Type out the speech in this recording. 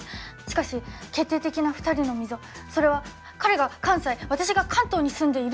しかし決定的な２人の溝それは彼が関西私が関東に住んでいるという距離的な問題です。